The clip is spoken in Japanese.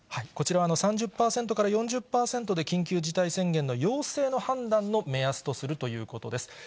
こちら、３０％から４０％で、緊急事態宣言の要請の判断の目安とするということです。